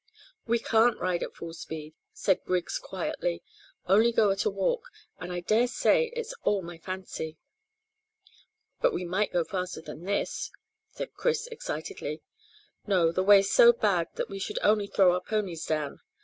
"We can't ride at full speed," said Griggs quietly, "only go at a walk; and I dare say it's all my fancy." "But we might go faster than this," said Chris excitedly. "No; the way's so bad that we should only throw our ponies down."